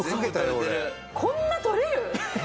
こんな取れる？